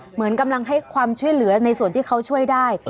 เหมือนกำลังให้ความช่วยเหลือในส่วนที่เขาช่วยได้